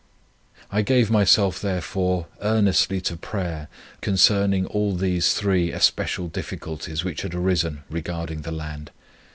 I gave myself, therefore, earnestly to prayer concerning all these three especial difficulties which had arisen regarding the land.